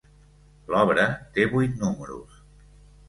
L'obra té vuit números.